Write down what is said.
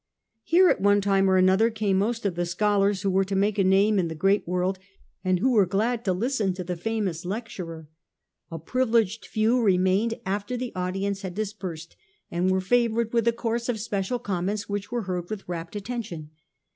* Here at one time or another came most of the scholars who w ere to make a name in the great world, and who were glad to listen to the famous lecturer. A privileged few remained after the audience had dis persed, and were favoured with a course of special com ments which were heard with rapt attention.